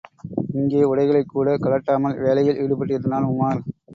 இங்கே உடைகளைக் கூடக் கழட்டாமல் வேலையில் ஈடுபட்டிருந்தான் உமார்.